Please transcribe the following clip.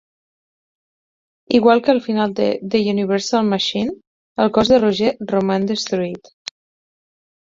Igual que al final de "The Universal Machine", el cos de Roger roman destruït.